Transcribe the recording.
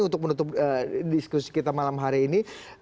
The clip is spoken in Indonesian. untuk menutup diskusi kita malam hari ini